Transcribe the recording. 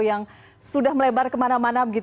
yang sudah melebar kemana mana